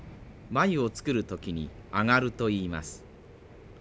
繭を作る時に「あがる」といいます。